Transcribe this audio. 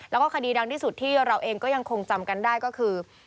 แล้วก็คดีดังที่สุดที่เราเองก็ยังคงจำกันได้ก็คือ